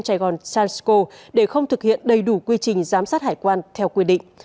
sài gòn transco để không thực hiện đầy đủ quy trình giám sát hải quan theo quy định